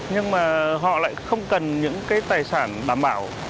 nhưng mà họ lại không cần những cái tài sản đảm bảo